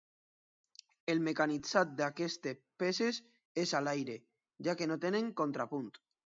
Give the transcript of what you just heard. El mecanitzat d’aquestes peces és a l’aire, ja que no tenen contrapunt.